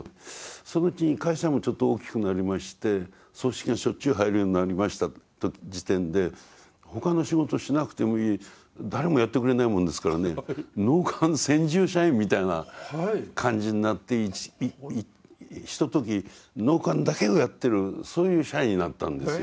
そのうちに会社もちょっと大きくなりまして葬式がしょっちゅう入るようになりました時点で他の仕事しなくてもいい誰もやってくれないもんですからね納棺専従社員みたいな感じになってひととき納棺だけをやってるそういう社員になったんですよ